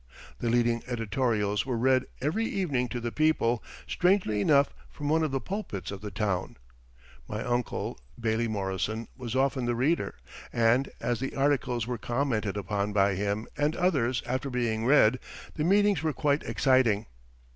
The leading editorials were read every evening to the people, strangely enough, from one of the pulpits of the town. My uncle, Bailie Morrison, was often the reader, and, as the articles were commented upon by him and others after being read, the meetings were quite exciting.